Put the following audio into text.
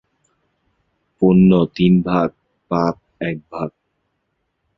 পুণ্য তিন ভাগ, পাপ এক ভাগ।